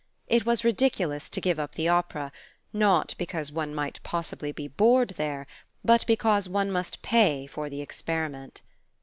It was ridiculous to give up the opera, not because one might possibly be bored there, but because one must pay for the experiment.